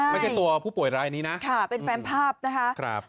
ไม่ใช่ตัวผู้ป่วยรายนี้นะค่ะเป็นแฟนภาพนะคะ